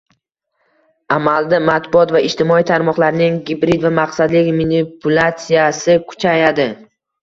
Amalda, matbuot va ijtimoiy tarmoqlarning gibrid va maqsadli manipulyatsiyasi kuchayadi